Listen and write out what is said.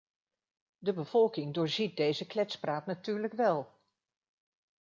De bevolking doorziet deze kletspraat natuurlijk wel.